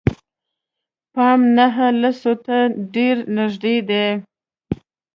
پام نهه لسو ته ډېر نژدې دي.